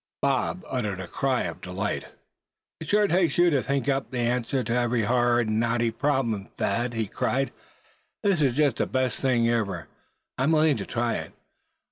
Bob uttered a cry of delight. "It sure takes you to think up an answer to every hard, knotty problem, Thad," he cried. "That is just the best thing ever, and I'm willing to try it.